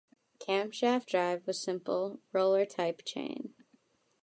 Camshaft drive was simple roller-type chain.